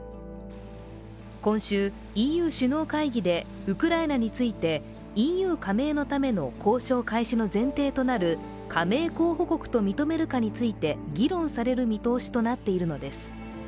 今週、ＥＵ首脳会議でウクライナについて、ＥＵ加盟のための交渉開始の前提となる加盟候補国と認めるかについて議論される見通しとなっているのです。